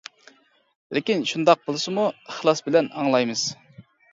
لېكىن شۇنداق بولسىمۇ، ئىخلاس بىلەن ئاڭلايمىز.